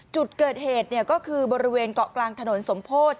จุดเกิดเหตุก็คือบริเวณเกาะกลางถนนสมโพธิ